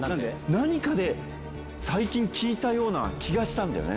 何かで最近聞いたような気がしたんだよね。